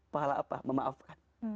pahala apa memaafkan